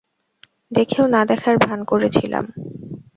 দেখেও না দেখার ভান করেছিলাম।